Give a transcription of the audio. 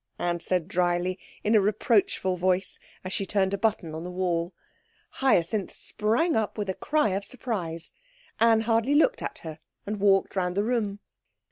Anne said dryly, in a reproachful voice, as she turned a button on the wall. Hyacinth sprang up with a cry of surprise. Anne hardly looked at her and walked round the room.